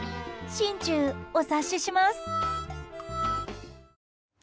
心中お察しします。